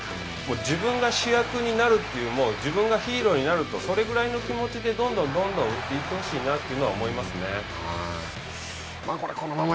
自分が主役になるという自分がヒーローになるとそれぐらいの気持ちでどんどん、どんどん打ってほしいなと思いますね。